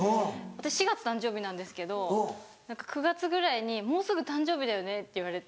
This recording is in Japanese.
私４月誕生日なんですけど９月ぐらいに「もうすぐ誕生日だよね」って言われて。